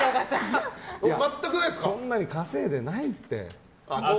そんなに稼いでないって。